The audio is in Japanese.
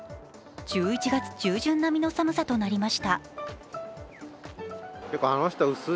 １１月中旬並みの寒さとなりました。